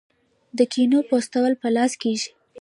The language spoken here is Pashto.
د کینو پوستول په لاس کیږي.